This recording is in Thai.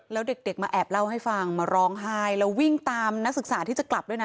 แล้วเด็กมาแอบเล่าให้ฟังมาร้องไห้แล้ววิ่งตามนักศึกษาที่จะกลับด้วยนะ